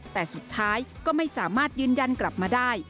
แต่สุดท้ายก็ไม่สามารถยืนยันกลับมาได้